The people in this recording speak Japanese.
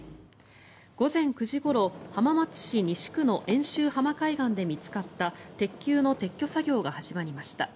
午前９時ごろ浜松市西区の遠州浜海岸で見つかった鉄球の撤去作業が始まりました。